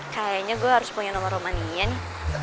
kayaknya gue harus punya nomor roman nia nih